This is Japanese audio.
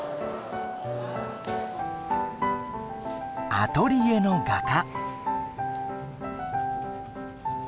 アトリエの画家。